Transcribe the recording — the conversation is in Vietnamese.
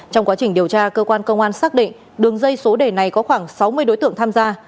trong quá trình điều tra cơ quan công an xác định đường dây số đề này có khoảng sáu mươi đối tượng tham gia